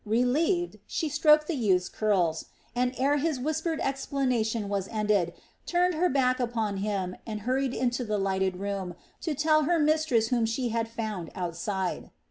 Relieved, she stroked the youth's curls and, ere his whispered explanation was ended, turned her back upon him and hurried into the lighted room to tell her mistress whom she had found outside.